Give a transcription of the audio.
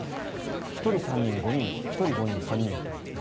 １人、２人、５人、１人、５人３人、２人。